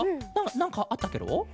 なんかあったケロ？